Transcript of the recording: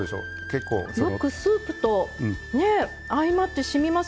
よくスープと相まってしみます。